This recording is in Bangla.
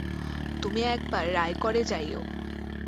তুমি একবার রায়গড়ে যাইয়ো।